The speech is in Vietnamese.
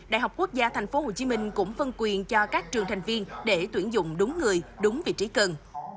đại học quốc gia tp hcm cũng phân quyền cho các trường thành viên để tuyển dụng đúng người đúng vị trí cần